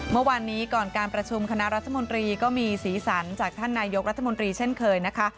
เมื่อวานนี้ก่อนการประชุมคณะรัฐมนตรีก็มีสีสันจากท่านนายกรัฐมนตรีเช่นเคยนะคะ